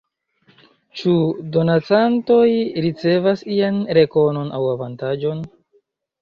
Ĉu donacantoj ricevas ian rekonon aŭ avantaĝon?